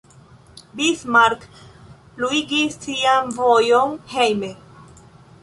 Bismarck pluigis sian vojon hejme.